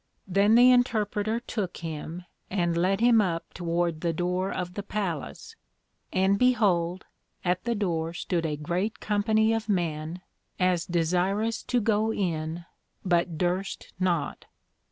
Then the Interpreter took him, and led him up toward the door of the Palace; and behold, at the door stood a great company of men, as desirous to go in, but durst not.